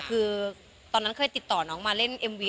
คือตอนนั้นเคยติดต่อน้องมาเล่นเอ็มวี